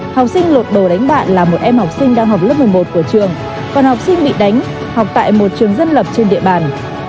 học sinh lột đồ đánh bạn là một em học sinh đang học lớp một mươi một của trường còn học sinh bị đánh học tại một trường dân lập trên địa bàn